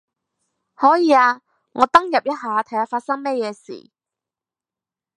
可以啊，我登入一下睇下發生乜嘢事